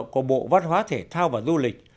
của bộ văn hóa thể thao và du lịch